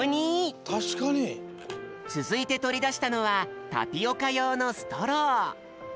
つづいてとりだしたのはタピオカようのストロー。